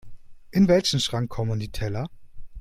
In welchen Schrank kommen die Teller?